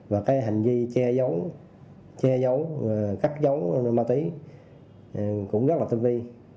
và cái hành vi che giấu cắt giấu ma túy cũng rất là tinh vi